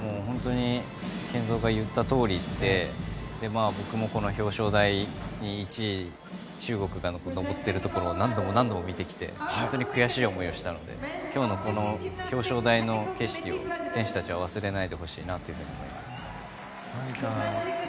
健三が言ったとおりで僕も、この表彰台に１位、中国が上っているところを何度も何度も見てきて本当に悔しい思いをしたので今日の表彰台の景色を選手たちは忘れないでほしいなと思います。